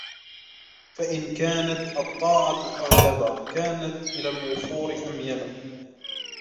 فَإِنْ كَانَتْ الطَّاعَةُ أَغْلَبَ كَانَتْ إلَى الْوُفُورِ أَمْيَلَ